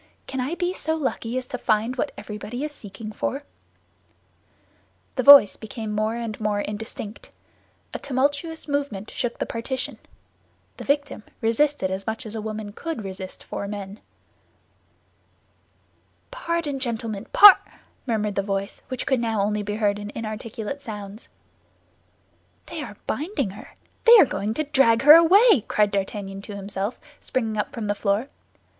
"Can I be so lucky as to find what everybody is seeking for?" The voice became more and more indistinct; a tumultuous movement shook the partition. The victim resisted as much as a woman could resist four men. "Pardon, gentlemen—par—" murmured the voice, which could now only be heard in inarticulate sounds. "They are binding her; they are going to drag her away," cried D'Artagnan to himself, springing up from the floor.